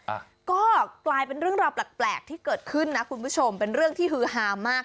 อ่ะก็กลายเป็นเรื่องราวแปลกแปลกที่เกิดขึ้นนะคุณผู้ชมเป็นเรื่องที่ฮือฮามาก